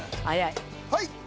はい！